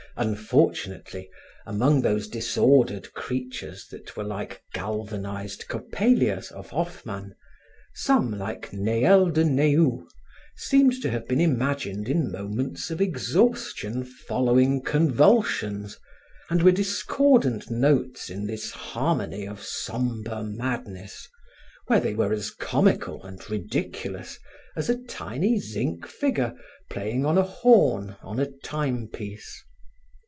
Unfortunately, among those disordered creatures that were like galvanized Coppelias of Hoffmann, some, like Neel de Nehou, seemed to have been imagined in moments of exhaustion following convulsions, and were discordant notes in this harmony of sombre madness, where they were as comical and ridiculous as a tiny zinc figure playing on a horn on a timepiece.